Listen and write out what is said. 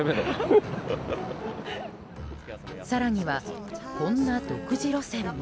更には、こんな独自路線も。